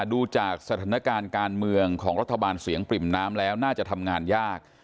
ดูจากสถานการณ์การเมืองของรัฐบาลเสียงปริ่มน้ำแล้วน่าจะทำงานยาก